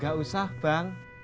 gak usah bang